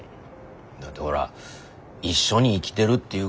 だってほら一緒に生きてるっていう